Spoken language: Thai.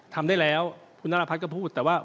ทำได้แล้วคุณนรพัฒน์ก็พูดแต่ว่า